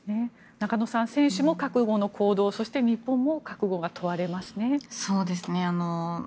中野さん、選手も覚悟の行動そして日本も覚悟が問われますね。